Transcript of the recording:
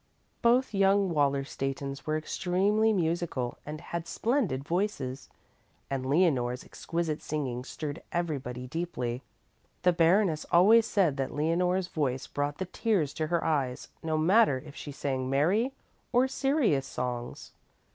"Both young Wallerstättens were extremely musical and had splendid voices, and Leonore's exquisite singing stirred everybody deeply. The Baroness always said that Leonore's voice brought the tears to her eyes, no matter if she sang merry or serious songs.